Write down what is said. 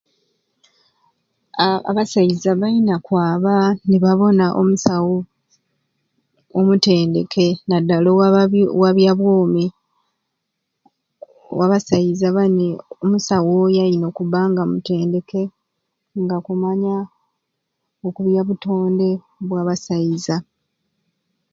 Haaa abasaiza bayina kwaba nibabona omusawu omutendeke nadala owa owa byabyomi kuba abasaiza bani omusawo oyo ayina kuba nga mutendeke nga akumanya oku byabutonde bwa basaiza